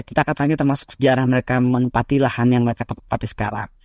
kita katanya termasuk sejarah mereka menempati lahan yang mereka tempati sekarang